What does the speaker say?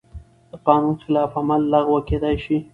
د قانون خلاف عمل لغوه کېدای شي.